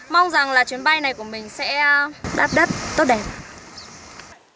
mong rằng là chuyến bay này của mình sẽ đáp đất tốt đẹp